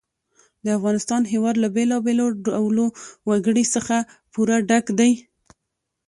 د افغانستان هېواد له بېلابېلو ډولو وګړي څخه پوره ډک دی.